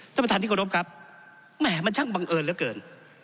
ท่านประธานครับแหม่มันช่างบังเอิญเหลือเกิน